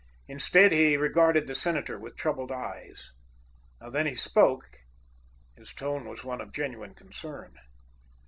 Instead, he regarded the senator with troubled eyes. When he spoke, his tone was one of genuine concern.